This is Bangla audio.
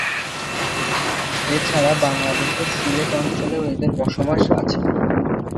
এছাড়া বাংলাদেশের সিলেট অঞ্চলেও এদের বসবাস আছে।